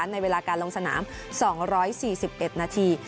ในเวลาการลงสนาม๒๔๑นาที